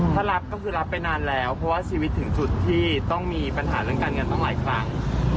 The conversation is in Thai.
ถ้ารับก็คือรับไปนานแล้วเพราะว่าชีวิตถึงจุดที่ต้องมีปัญหาเรื่องการเงินตั้งหลายครั้ง